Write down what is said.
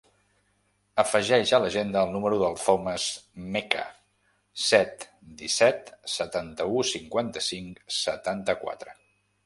Afegeix a l'agenda el número del Thomas Meca: set, disset, setanta-u, cinquanta-cinc, setanta-quatre.